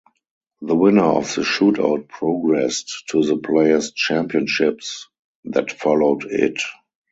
The winner of the Shoot Out progressed to the Players Championships that followed it.